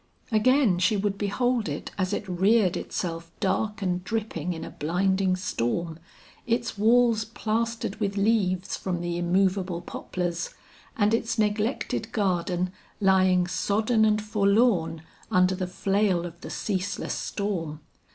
Again she would behold it as it reared itself dark and dripping in a blinding storm, its walls plastered with leaves from the immovable poplars, and its neglected garden lying sodden and forlorn under the flail of the ceaseless storm.